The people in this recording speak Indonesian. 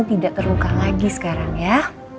tidak terluka lagi sekarang ya